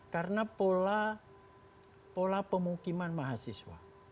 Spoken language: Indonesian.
karena pola pemukiman mahasiswa